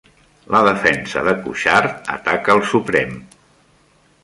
La defensa de Cuixart ataca al Suprem